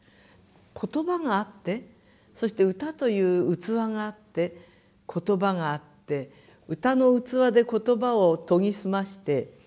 言葉があってそして歌という器があって言葉があって歌の器で言葉を研ぎ澄まして。